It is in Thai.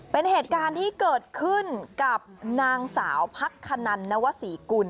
เป็นเหตุการณ์ที่เกิดขึ้นกับนางสาวพักขนันนวศรีกุล